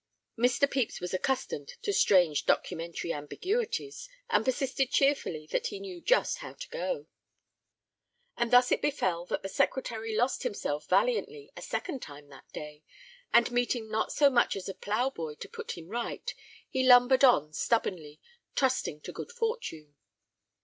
Mr. Pepys was accustomed to strange documentary ambiguities, and persisted cheerfully that he knew just how to go. And thus it befell that the Secretary lost himself valiantly a second time that day, and meeting not so much as a ploughboy to put him right, he lumbered on stubbornly, trusting to good fortune.